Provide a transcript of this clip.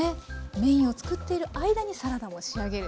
メインを作っている間にサラダを仕上げる。